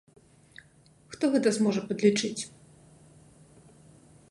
Хто гэта зможа падлічыць?